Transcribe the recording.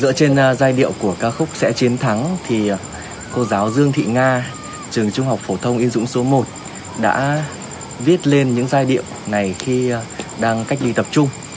dựa trên giai điệu của ca khúc sẽ chiến thắng thì cô giáo dương thị nga trường trung học phổ thông yên dũng số một đã viết lên những giai điệu này khi đang cách ly tập trung